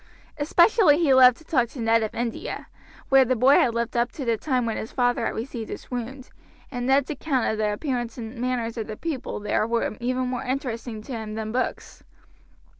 Especially he loved to talk to Ned of India, where the boy had lived up to the time when his father had received his wound, and Ned's account of the appearance and manners of the people there were even more interesting to him than books.